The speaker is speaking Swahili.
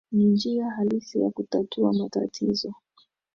ni njia halisi ya kutatua matatizo